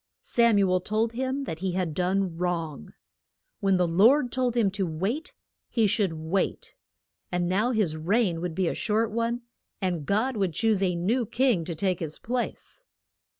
Sam u el told him that he had done wrong. When the Lord told him to wait, he should wait. And now his reign would be a short one, and God would choose a new king to take his place.